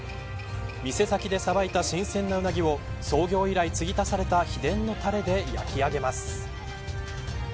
店先でさばいた新鮮なウナギを創業以来、継ぎ足された秘伝のたれで焼き上げます。